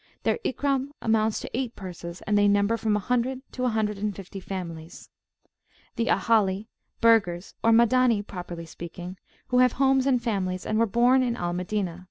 Their Ikram amounts to eight purses, and they number from a hundred to a hundred and fifty families. The Ahali[FN#12] (burghers) or Madani properly speaking, who have homes and families, and were born in Al Madinah.